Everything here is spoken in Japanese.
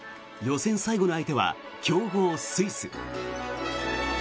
予選最後の相手は強豪スイス。